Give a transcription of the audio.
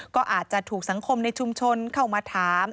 ก็อาจจะถูกสังคมในชุมชนเข้ามาถาม